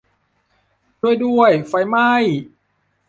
ช่วยด้วย ! ไฟไหม้ !